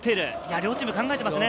両チーム考えていますね。